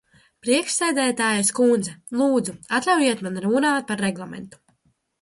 Priekšsēdētājas kundze, lūdzu, atļaujiet man runāt par Reglamentu.